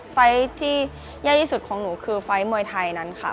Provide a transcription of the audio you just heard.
ไฟล์ที่แย่ที่สุดของหนูคือไฟล์มวยไทยนั้นค่ะ